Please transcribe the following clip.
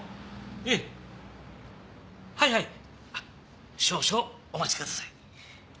えぇはいはい少々お待ちください。